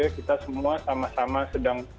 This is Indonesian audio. kita semua sama sama sedang